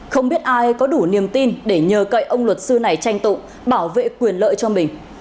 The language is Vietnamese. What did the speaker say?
không biết ai có đủ niềm tin để nhờ cậy ông luật sư này tranh tụng bảo vệ quyền lợi cho mình